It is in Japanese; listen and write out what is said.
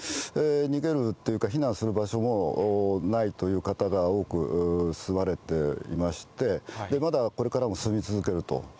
逃げるというか、避難する場所もないという方が多く住まれていまして、まだこれからも住み続けると。